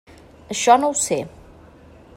Això no ho sé.